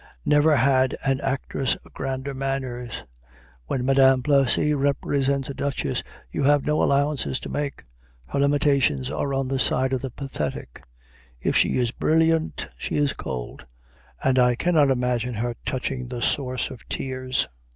Never had an actress grander manners. When Madame Plessy represents a duchess you have no allowances to make. Her limitations are on the side of the pathetic. If she is brilliant, she is cold; and I cannot imagine her touching the source of tears.